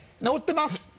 直ってます！